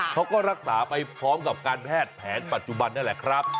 เขาก็รักษาไปพร้อมกับการแพทย์แผนปัจจุบันนั่นแหละครับ